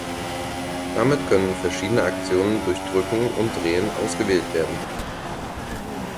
Damit können verschiedene Aktionen durch drücken und drehen ausgewählt werden.